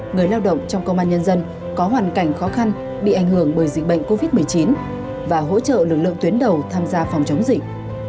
người lao động trong công an nhân dân có hoàn cảnh khó khăn bị ảnh hưởng bởi dịch bệnh covid một mươi chín và hỗ trợ lực lượng tuyến đầu tham gia phòng chống dịch